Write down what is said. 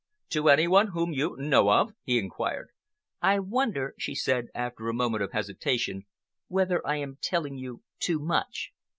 "To any one whom you know of?" he inquired. "I wonder," she said, after a moment of hesitation, "whether I am telling you too much."